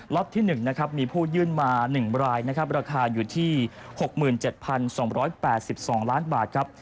ที่๑นะครับมีผู้ยื่นมา๑รายนะครับราคาอยู่ที่๖๗๒๘๒ล้านบาทครับ